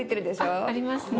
あっありますね。